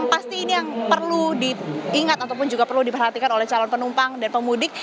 pasti ini yang perlu diingat ataupun juga perlu diperhatikan oleh calon penumpang dan pemudik